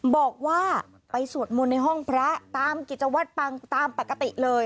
บอกว่าไปสวดมนต์ในห้องพระตามกิจวัตรปังตามปกติเลย